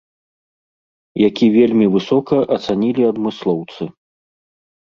Які вельмі высока ацанілі адмыслоўцы.